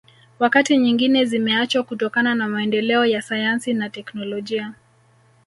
Wakati nyingine zimeachwa kutokana na maendeleo ya sayansi na teknolojia